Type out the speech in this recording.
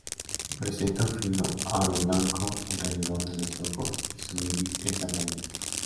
Presenta un fino aro blanco alrededor de los ojos y su iris es amarillento.